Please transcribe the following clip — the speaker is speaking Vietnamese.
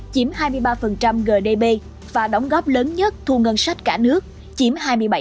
chiếm hai mươi ba gdp và đóng góp lớn nhất thu ngân sách cả nước chiếm hai mươi bảy